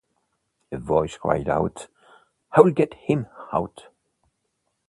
A voice cried out, "I'll get him out!".